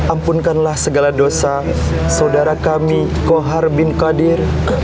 ampunkanlah segala dosa saudara kami kohar bin qadir